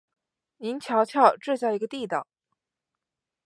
您瞧瞧，这叫一个地道！